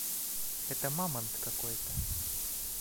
Это мамонт какой-то.